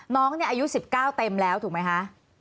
น้องอายุ๑๙เต็มแล้วถูกไหมคะ